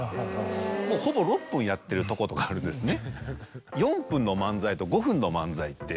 もうほぼ６分やってるとことかあるんですね。